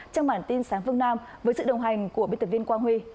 trong bản tin sáng vương nam với sự đồng hành của biên tập viên quang huy